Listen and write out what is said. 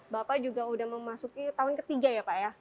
bapak juga sudah memasuki tahun ketiga ya pak ya